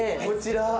こちら。